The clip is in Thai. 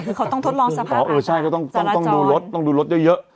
คือเขาต้องทดลองสภาพอันธุ์สารจรอ๋อเออใช่ต้องดูรถต้องดูรถเยอะ